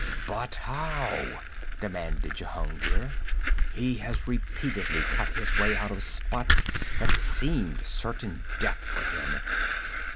'But how?' demanded Jehungir. 'He has repeatedly cut his way out of spots that seemed certain death for him.